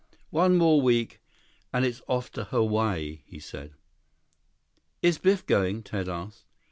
"One more week, and it's off to Hawaii," he said. "Is Biff going?" Ted asked.